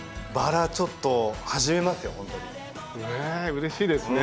うれしいですね。